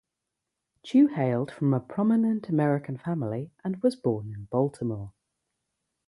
Chew hailed from an prominent American family and was born in Baltimore.